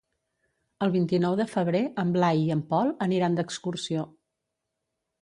El vint-i-nou de febrer en Blai i en Pol aniran d'excursió.